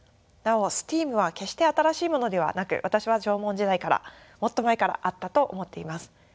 なおＳＴＥＡＭは決して新しいものではなく私は縄文時代からもっと前からあったと思っています。